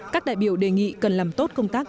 các đại biểu đề nghị cần làm tốt công tác